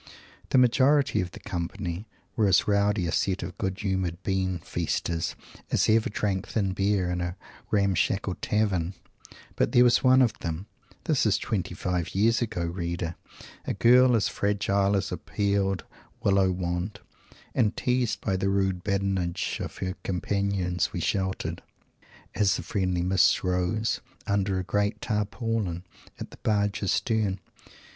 The majority of the company were as rowdy a set of good humored Bean Feasters as ever drank thin beer in a ramshackle tavern. But there was one of them this is twenty five years ago, reader! a girl as fragile as a peeled Willow wand and teased by the rude badinage of our companions we sheltered as the friendly mists rose under a great Tarpaulin at the barge's stern.